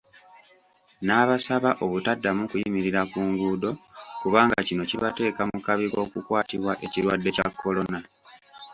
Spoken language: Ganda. N'abasaba obutaddamu kuyimirira ku nguudo kubanga kino kibateeka mu kabi k'okukwatibwa ekirwadde kya Korona.